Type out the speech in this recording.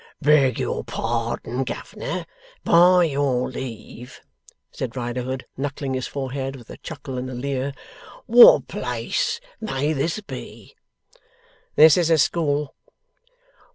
'Beg your pardon, governor! By your leave!' said Riderhood, knuckling his forehead, with a chuckle and a leer. 'What place may this be?' 'This is a school.